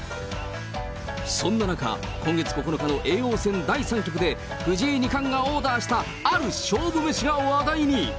そんな中、今月９日の叡王戦第３局で、藤井二冠がオーダーしたある勝負メシが話題に。